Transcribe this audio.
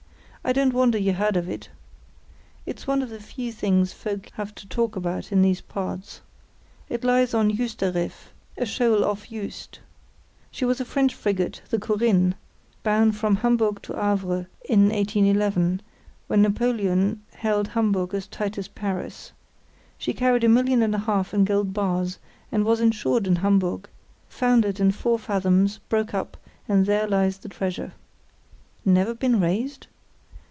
"I don't wonder you heard of it. It's one of the few things folk have to talk about in these parts. It lies on Juister Riff, a shoal off Juist. [See Map B] She was a French frigate, the Corinne, bound from Hamburg to Havre in 1811, when Napoleon held Hamburg as tight as Paris. She carried a million and a half in gold bars, and was insured in Hamburg; foundered in four fathoms, broke up, and there lies the treasure." "Never been raised?"